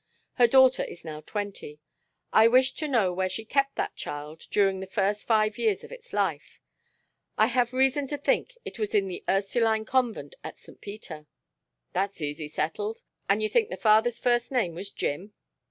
Her daughter is now twenty. I wish to know where she kept that child during the first five years of its life. I have reason to think it was in the Ursuline Convent at St. Peter." "That's easy settled. And you think the father's first name was Jim?"